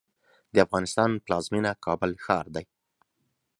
د افغانستان پلازمېنه کابل ښار دی.